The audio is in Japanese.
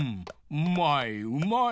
うまいうまい。